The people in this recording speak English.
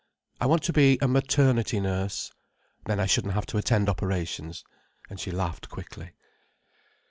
"I want to be a maternity nurse. Then I shouldn't have to attend operations." And she laughed quickly.